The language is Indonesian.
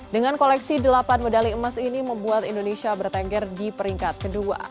dengan koleksi delapan medali emas ini membuat indonesia bertengger di peringkat kedua